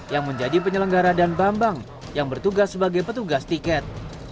yang menjadi penyelenggara dan bambang yang bertugas sebagai petugas tiket